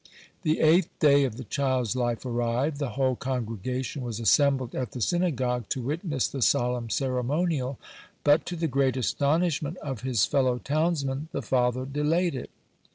The eighth day of the child's life arrived, the whole congregation was assembled at the synagogue (102) to witness the solemn ceremonial, but to the great astonishment of his fellow townsmen the father delayed it.